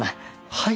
はい？